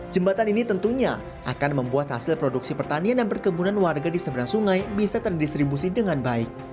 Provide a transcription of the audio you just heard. jembatan ini tentunya akan membuat hasil produksi pertanian dan perkebunan warga di seberang sungai bisa terdistribusi dengan baik